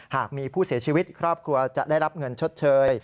หากมีผู้เสียชีวิตครอบครัวจะได้รับเงินชดเชย